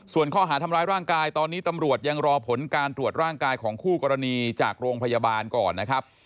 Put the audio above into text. ส่วนข้อหาทำร้ายร่างกายตอนนี้ตำรวจยังรอผลการตรวจร่างกายของคู่กรณีจากโรงพยาบาลก่อนนะครับ